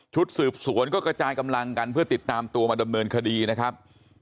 สืบสวนก็กระจายกำลังกันเพื่อติดตามตัวมาดำเนินคดีนะครับ